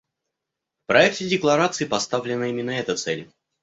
В проекте декларации поставлена именно эта цель.